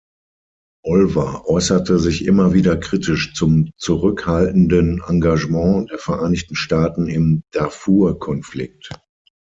Olver äußerte sich immer wieder kritisch zum zurückhaltenden Engagement der Vereinigten Staaten im Darfur-Konflikt.